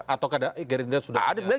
atau gerindra sudah melihat